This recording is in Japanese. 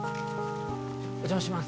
お邪魔します